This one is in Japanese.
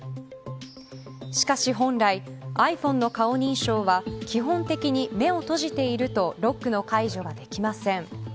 しかし、本来ｉＰｈｏｎｅの顔認証は基本的に目を閉じているとロックの解除ができません。